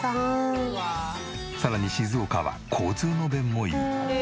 さらに静岡は交通の便もいい。